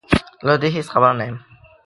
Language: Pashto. له دې هېڅ خبره نه یم